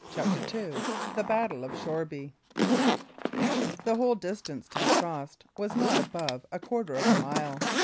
CHAPTER II THE BATTLE OF SHOREBY The whole distance to be crossed was not above a quarter of a mile.